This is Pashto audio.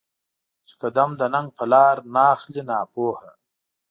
چې قـــــدم د ننــــــــګ په لار ناخلې ناپوهه